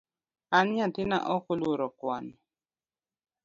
An nyathina ok oluoro kwano